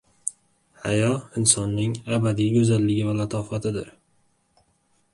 Hayo — insonning abadiy go‘zalligi va latofatidir.